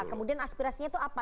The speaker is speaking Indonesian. kemudian aspirasinya itu apa